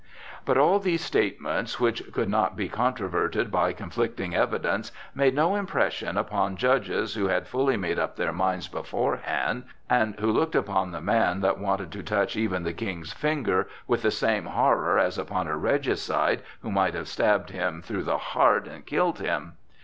But all these statements, which could not be controverted by conflicting evidence, made no impression upon judges who had fully made up their minds beforehand, and who looked upon the man that wanted to touch even the King's finger with the same horror as upon a regicide who might have stabbed him through the heart and killed him.